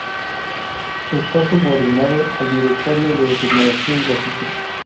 Está subordinado al Directorio de Tecnología y Logística.